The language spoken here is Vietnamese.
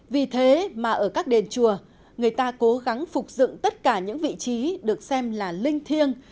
vì thế mà ở các đền chùa người ta cố gắng phục dựng tất cả những vị trí được xem là linh thiêng